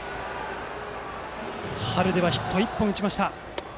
春にはヒットを１本打ちました。